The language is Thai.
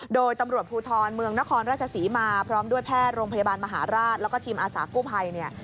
โดยตำรวจภูทรเมืองนครราชศรีมาพร้อมด้วยแพทย์โรงพยาบาลมหาราชแล้วก็ทีมอาสากู้ภัยเนี่ย